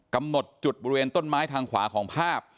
กำหนดจุดบริเวณต้นไม้ทางขวาของภาพ